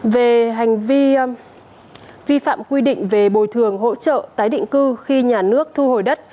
về hành vi vi phạm quy định về bồi thường hỗ trợ tái định cư khi nhà nước thu hồi đất